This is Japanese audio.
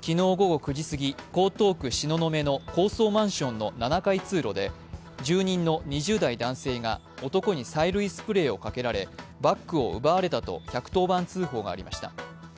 昨日午後９時過ぎ、江東区東雲の高層マンションの７階通路で住人の２０代男性が男に催涙スプレーをかけられバッグを奪われたと１１０番通報がありました。